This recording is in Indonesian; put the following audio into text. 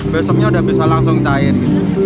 besoknya udah bisa langsung cair